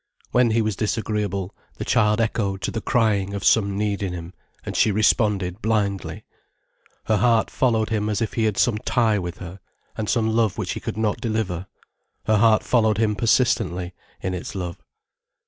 When he was disagreeable, the child echoed to the crying of some need in him, and she responded blindly. Her heart followed him as if he had some tie with her, and some love which he could not deliver. Her heart followed him persistently, in its love.